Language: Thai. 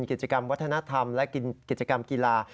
กิจกรรมวัฒนธรรมและกิจกรรมกีฬา